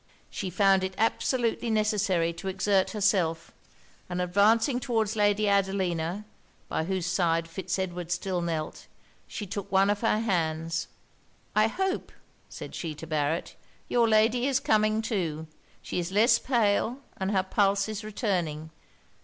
She found it absolutely necessary to exert herself; and advancing towards Lady Adelina, by whose side Fitz Edward still knelt, she took one of her hands 'I hope,' said she to Barret, your lady is coming to; she is less pale, and her pulse is returning.